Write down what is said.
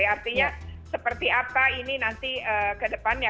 artinya seperti apa ini nanti kedepannya